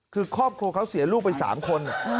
คือครอบครัวเขาเสียลูกไป๓คน